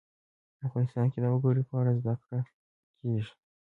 افغانستان کې د وګړي په اړه زده کړه کېږي.